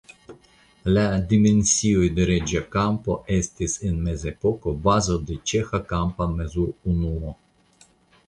La dimensioj de Reĝa kampo estis en mezepoko bazo de ĉeĥa kampa mezurunuo.